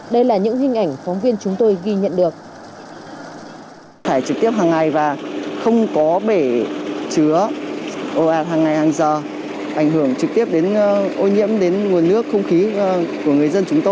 đây là những hình ảnh phóng viên chúng tôi ghi nhận được